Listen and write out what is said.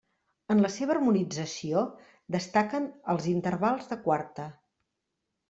En la seva harmonització destaquen els intervals de quarta.